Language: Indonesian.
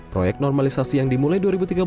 proyek normalisasi yang dimulai dua ribu tiga belas